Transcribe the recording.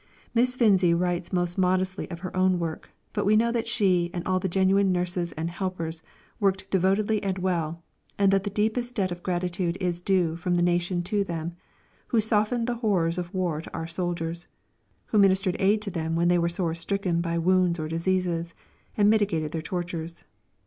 Miss Finzi writes most modestly of her own work, but we know that she and all the genuine nurses and helpers worked devotedly and well, and that the deepest debt of gratitude is due from the nation to them, who softened the horrors of war to our soldiers, who ministered aid to them when they were sore stricken by wounds or diseases, and mitigated their tortures.